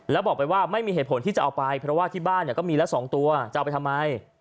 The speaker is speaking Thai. แล้วบอกไปว่าไม่มีเหตุผลที่จะเอาไปเพราะว่าที่บ้านก็มีละ๒ตัวจะเอาไปทำไม